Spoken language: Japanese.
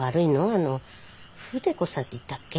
あの筆子さんっていったっけ？